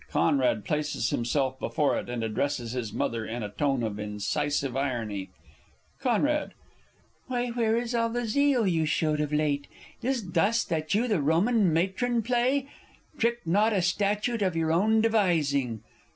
[CONRAD places himself before it, and addresses his Mother in a tone of incisive irony. Con. Why, where is all the zeal you showed of late? Is't thus that you the Roman Matron play? Trick not a statute of your own devising.